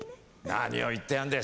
何を言ってやんでえ。